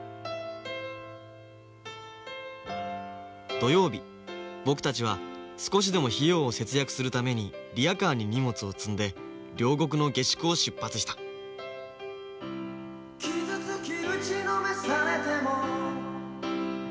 土曜日僕たちは少しでも費用を節約するためにリヤカーに荷物を積んで両国の下宿を出発した「傷つき打ちのめされても」